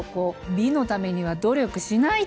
美のためには努力しないと！